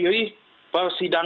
peradilan yang diperlukan